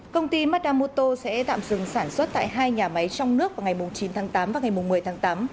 công ty madamoto sẽ tạm dừng sản xuất tại hai nhà máy trong nước vào ngày chín tháng tám và ngày một mươi tháng tám